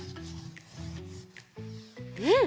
うん。